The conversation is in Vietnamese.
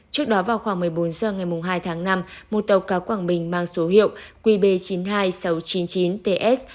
trước đó vào khoảng một mươi bốn h ngày hai tháng năm một tàu cá quảng bình mang số hiệu qb chín mươi hai nghìn sáu trăm chín mươi chín ts